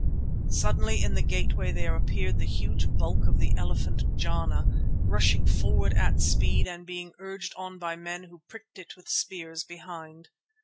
Suddenly in the gateway there appeared the huge bulk of the elephant Jana, rushing forward at speed and being urged on by men who pricked it with spears behind.